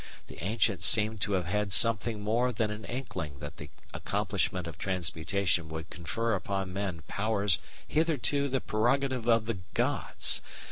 The ancients seem to have had something more than an inkling that the accomplishment of transmutation would confer upon men powers hitherto the prerogative of the gods.